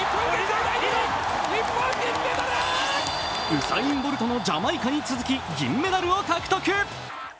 ウサイン・ボルトのジャマイカに続き、銀メダルを獲得。